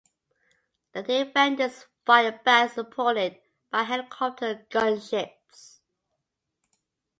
The defenders fired back supported by helicopter gunships.